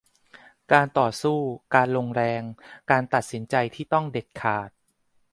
การต่อสู้ การลงแรง การตัดสินใจที่ต้องเด็ดขาด